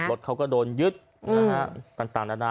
รถเขาก็โดนยึดนะฮะ